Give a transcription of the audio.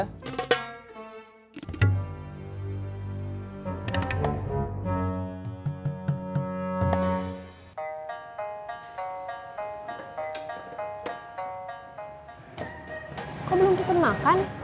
kok belum pesen makan